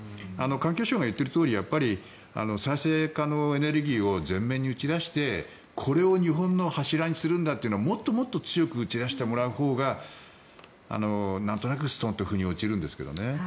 環境省が言っているとおり再生可能エネルギーを前面に打ち出してこれを日本の柱にするんだというのをもっともっと強く打ち出してもらうほうがなんとなく腑に落ちるんですけどね。